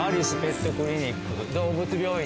動物病院。